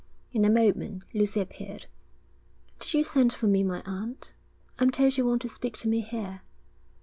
In a moment Lucy appeared. 'Did you send for me, my aunt? I'm told you want to speak to me here.'